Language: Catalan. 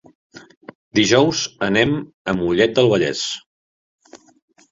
Dijous anem a Mollet del Vallès.